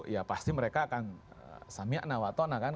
ya pasti mereka akan samiakna watona kan